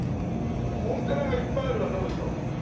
コンテナがいっぱいあるどうでしょう？